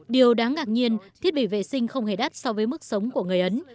điều đáng ngạc nhiên thiết bị vệ sinh không hề đắt so với mức sống của người ấn